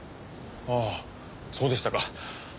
ああそうでしたか。